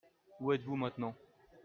Où êtes-vous maintenant ?